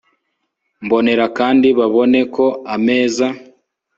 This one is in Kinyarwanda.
mbonera kandi babone ko ameza